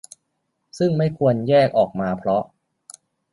ซึ่งไม่ควรแยกออกมาเพราะ